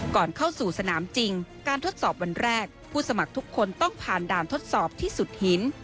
ก่อนเข้าสู่สนามจริงการทดสอบวันแรกผู้สมัครทุกคนต้องผ่านด่านทดสอบที่สุดหิน